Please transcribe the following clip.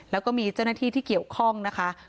แล้วก็มีเจ้าหน้าที่ที่เกี่ยวข้องนะคะ